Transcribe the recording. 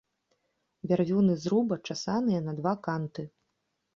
Бярвёны зруба часаныя на два канты.